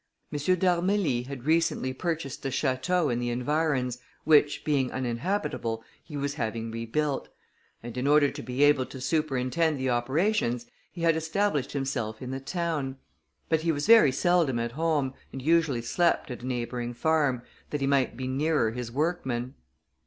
M. d'Armilly had recently purchased a château in the environs, which being uninhabitable, he was having rebuilt; and in order to be able to superintend the operations, he had established himself in the town: but he was very seldom at home, and usually slept at a neighbouring farm, that he might be nearer his workmen.